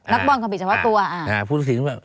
นักบอลความผิดเฉพาะตัว